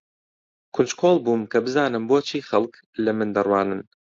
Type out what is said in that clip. کونجکۆڵ بووم کە بزانم بۆچی خەڵک لە من دەڕوانن.